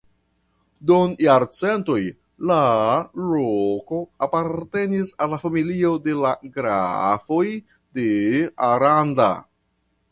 Dum jarcentoj la loko apartenis al la familio de la grafoj de Aranda.